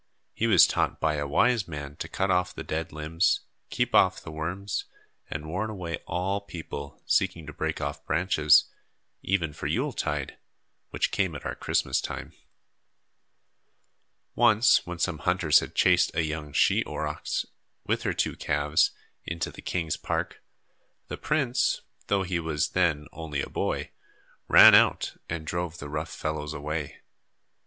He was taught by a wise man to cut off the dead limbs, keep off the worms, and warn away all people seeking to break off branches even for Yule tide, which came at our Christmas time. Once when some hunters had chased a young she aurochs, with her two calves, into the king's park, the prince, though he was then only a boy, ran out and drove the rough fellows away.